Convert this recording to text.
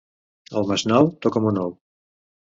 El Masnou? Toca'm un ou!